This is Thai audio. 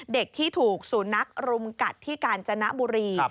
เด็กที่ถูกสุนัขรุมกัดที่กาญจนบุรี